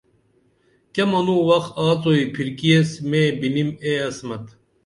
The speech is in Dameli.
کیہ منوں وخ آڅوئی پِھرکی ایس مے بِنِمی اے عصمت